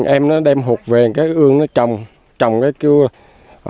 em nó đem hộp về cái ương nó trồng trồng cái cưa